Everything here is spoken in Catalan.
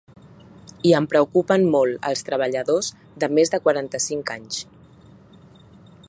I em preocupen molt els treballadors de més de quaranta-cinc anys.